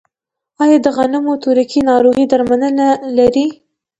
آیا د غنمو تورکي ناروغي درملنه لري؟